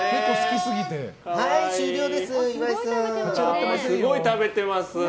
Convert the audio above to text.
すごい食べてます。